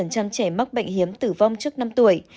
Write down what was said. ba mươi trẻ mắc bệnh hiếm tử vong trước năm tuổi